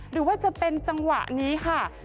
หรือว่าจะเป็นจังหวะนี้ค่ะ